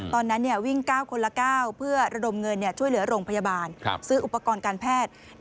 ตอนนั้นวิ่ง๙คนละ๙เพื่อระดมเงินช่วยเหลือโรงพยาบาลซื้ออุปกรณ์การแพทย์